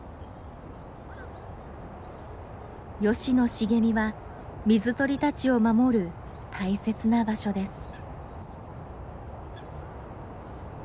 ヨシの茂みは水鳥たちを守る大切な場所です。